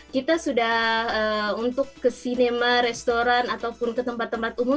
kita sudah untuk ke sinema restoran ataupun ke tempat tempat umum